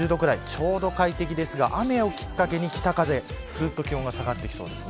ちょうど快適ですが雨をきっかけに北風で気温が下がってきます。